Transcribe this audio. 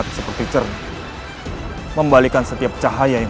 bekerjasama dengan kalian